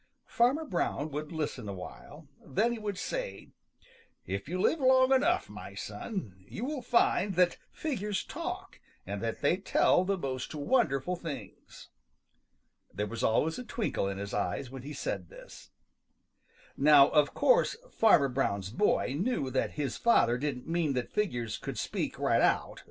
Farmer Brown would listen awhile, then he would say, "If you live long enough, my son, you will find that figures talk and that they tell the most wonderful things." There was always a twinkle in his eyes when he said this. Now of course Fanner Brown's boy knew that his father didn't mean that figures could speak right out.